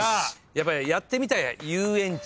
やっぱりやってみたいのは遊園地。